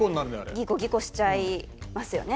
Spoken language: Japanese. ギコギコしちゃいますよね。